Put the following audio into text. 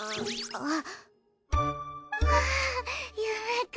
あっ？